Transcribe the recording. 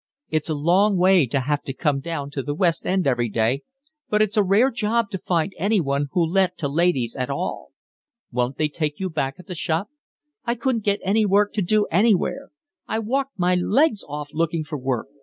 It's a long way to have to come down to the West End every day, but it's a rare job to find anyone who'll let to ladies at all." "Wouldn't they take you back at the shop?" "I couldn't get any work to do anywhere. I walked my legs off looking for work.